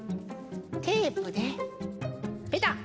テープでペタッ。